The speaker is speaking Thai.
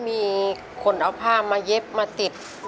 มีคนเอาผ้ามาเย็บมาติด